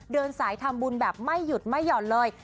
เดินสายทำบุญแบบไม่หยุดไม่หย่อนเลย